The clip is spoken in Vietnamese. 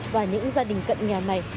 và những gia đình cận nghèo này